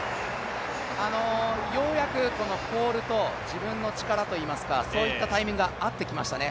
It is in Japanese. ようやくポールと自分の力といいますか、そういったタイミングが合ってきましたね。